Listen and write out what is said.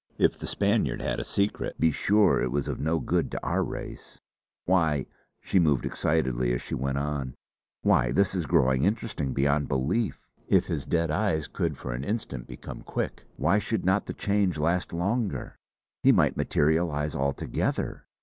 If the Spaniard had a secret, be sure it was of no good to our Race. Why " she moved excitedly as she went on: "Why this is growing interesting beyond belief. If his dead eyes could for an instant become quick, why should not the change last longer? He might materialise altogether."